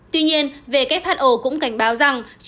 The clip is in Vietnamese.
tuy nhiên who cũng cảnh báo rằng